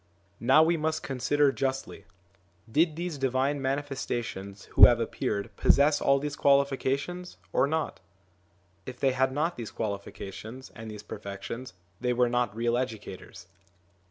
Now we must consider justly: did these Divine Manifestations 1 who have appeared possess all these qualifications or not ? If they had not these quali fications and these perfections, they were not real educators.